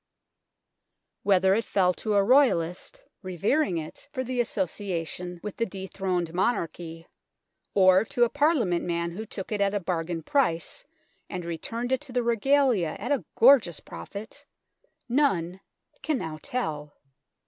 Whether it fell to a Royalist, revering it for the association with ioo THE TOWER OF LONDON the dethroned monarchy, or to a Parliament man who took it at a bargain price and returned it to the Regalia at a gorgeous profit, none can now tell.